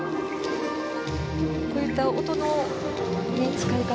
こういった音の使い方